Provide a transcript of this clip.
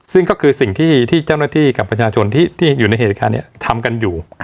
ซึ่งก็คือสิ่งที่เจ้าหน้าที่กับประชาชนที่อยู่ในเหตุการณ์ทำกันอยู่